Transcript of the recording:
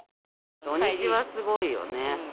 土日はすごいよね。